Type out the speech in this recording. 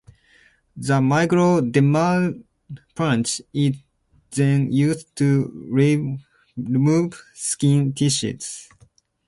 The micro dermalpunch is then used to remove skin tissues.